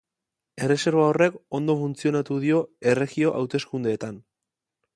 Erreserba horrek ondo funtzionatu dio erregio hauteskundeetan.